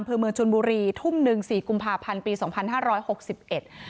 เมืองชนบุรีทุ่มหนึ่งสี่กุมภาพันธ์ปีสองพันห้าร้อยหกสิบเอ็ด